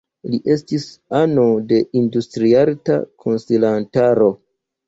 Li estis ano de Industriarta Konsilantaro.